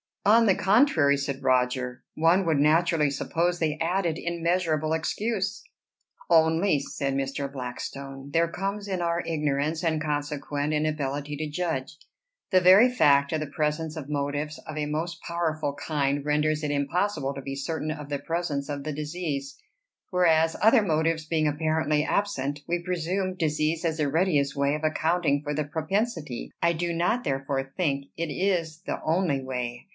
"On the contrary," said Roger, "one would naturally suppose they added immeasurable excuse." "Only," said Mr. Blackstone, "there comes in our ignorance, and consequent inability to judge. The very fact of the presence of motives of a most powerful kind renders it impossible to be certain of the presence of the disease; whereas other motives being apparently absent, we presume disease as the readiest way of accounting for the propensity; I do not therefore think it is the only way.